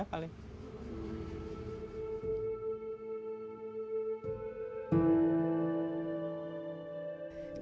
dia sudah berusaha mencari jajan